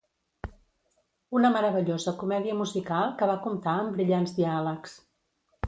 Una meravellosa comèdia musical que va comptar amb brillants diàlegs.